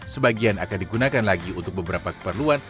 sebagian akan digunakan lagi untuk beberapa keperluan